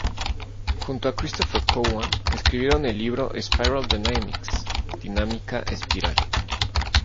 Junto a Christopher Cowan, escribieron el libro "Spiral Dynamics Dinámica espiral".